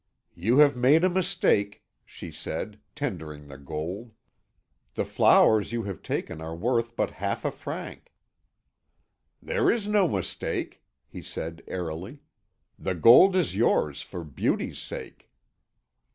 "You have made a mistake," she said, tendering the gold; "the flowers you have taken are worth but half a franc." "There is no mistake," he said airily; "the gold is yours for beauty's sake."